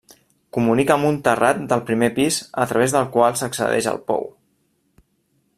Comunica amb un terrat del primer pis a través del qual s'accedeix al pou.